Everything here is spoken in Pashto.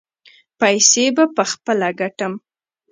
پیسې به پخپله ګټم.